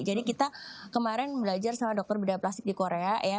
jadi kita kemarin belajar sama dokter bedah plastik di korea ya